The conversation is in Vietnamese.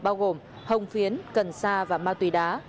bao gồm hồng phiến cần sa và ma túy đá